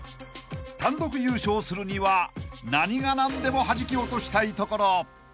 ［単独優勝するには何が何でもはじき落としたいところ］